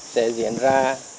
sẽ diễn ra